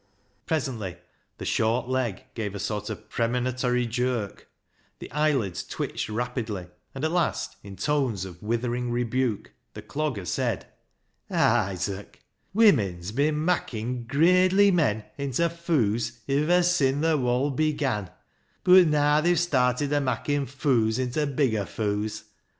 Presently the short leg gave a sort of premoni tory jerk, the eyelids twitched rapidly, and at last, in tones of withering rebuke, the Clogger said —" Isaac, women's bin makkin' gradely men inta foo's iver sin' th' wold began, bud naa they've started a makkin' foo's inta bigger foo's.